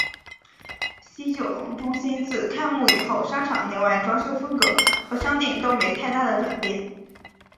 西九龙中心自开幕以后商场内外装修风格和商店都没太大的转变。